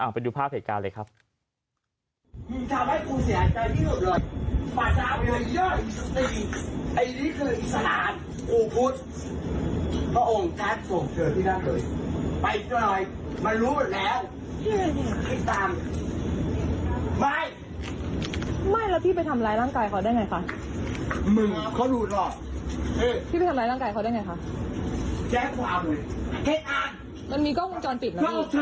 ไปดูภาพเหตุการณ์เลยครับ